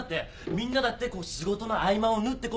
みんなだって仕事の合間をぬって集まる。